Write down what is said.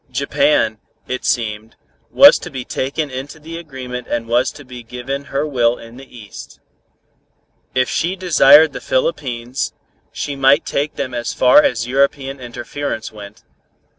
Japan, it seemed, was to be taken into the agreement and was to be given her will in the East. If she desired the Philippines, she might take them as far as European interference went.